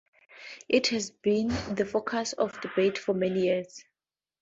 It has been the focus of debate for many years.